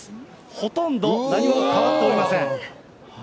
ほとんど何も変わっておりません。